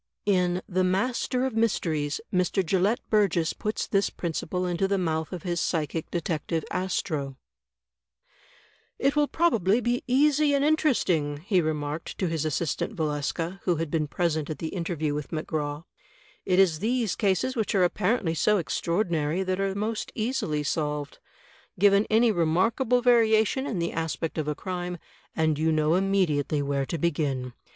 In "The Master of Mysteries," Mr. Gelett Burgess puts this principle into the mouth of his psychic detective, Astro : "It will probably be easy and interesting," he remarked to his assistant, Valeska, who had been present at the interview with McGraw. "It is these cases which are apparently so extraordinary that are most easily solved. Given any remarkable variation in the aspect of a crime, and you know immediately where to begin.